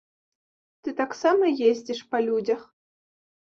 Ты таксама ездзіш па людзях?